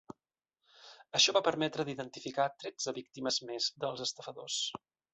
Això va permetre d’identificar tretze víctimes més dels estafadors.